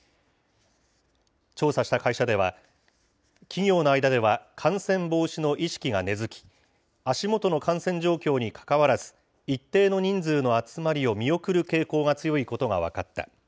調査した会社では、企業の間では感染防止の意識が根づき、足元の感染状況にかかわらず、一定の人数の集まりを見送る傾向が強いことが分かった。